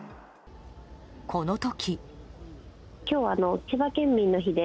この時。